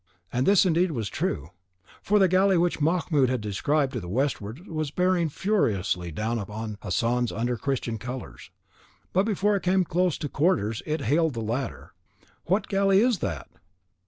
And this indeed was true, for the galley which Mahmoud had descried to the westward was bearing furiously down upon Hassan's under Christian colours; but before it came to close quarters it hailed the latter. "What galley is that?"